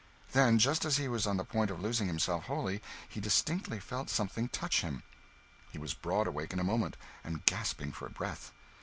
Then, just as he was on the point of losing himself wholly, he distinctly felt something touch him! He was broad awake in a moment, and gasping for breath.